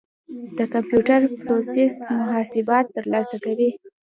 د کمپیوټر پروسیسر محاسبات ترسره کوي.